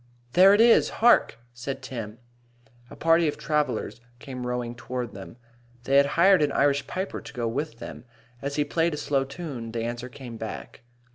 "There it is, hark!" said Tim. A party of travellers came rowing toward them. They had hired an Irish piper to go with them. As he played a slow tune, the answer came back.